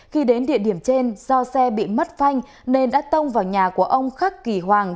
khi đến địa điểm trên do xe bị mất phanh nên đã tông vào nhà của ông khắc kỳ hoàng